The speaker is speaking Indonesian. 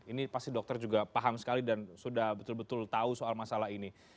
ini pasti dokter juga paham sekali dan sudah betul betul tahu soal masalah ini